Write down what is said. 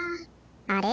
あれ？